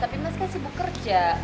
tapi mas kan sibuk kerja